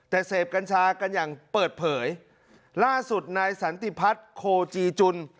แต่เสพกัญชากันอย่างเปิดเผยล่าสุดนายสันติพัฒน์โคจีจุล